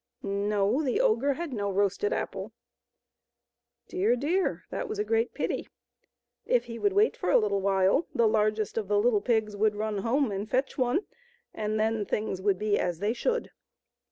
No ; the ogre had no roasted apple. Dear, dear ! that was a great pity. If he would wait for a little while, the largest of the little pigs would run home and fetch one, and then things would be as they should.